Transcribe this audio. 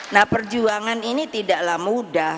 nah perjuangan ini tidaklah mudah